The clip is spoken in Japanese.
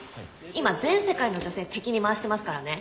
今全世界の女性敵に回してますからね。